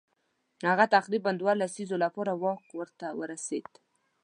هغه تقریبا دوو لسیزو لپاره واک ورته ورسېد.